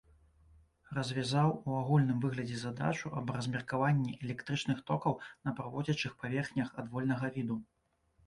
Развязаў у агульным выглядзе задачу аб размеркаванні электрычных токаў на праводзячых паверхнях адвольнага віду.